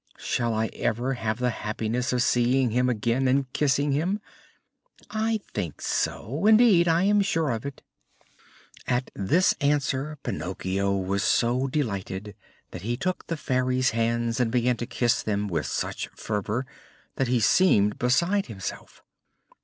"Shall I ever have the happiness of seeing him again and kissing him?" "I think so; indeed, I am sure of it." At this answer Pinocchio was so delighted that he took the Fairy's hands and began to kiss them with such fervor that he seemed beside himself.